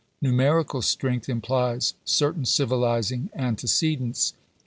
Numerical strength implies certain civilizing antecedents.